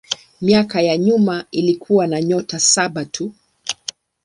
Miaka ya nyuma ilikuwa na nyota saba tu.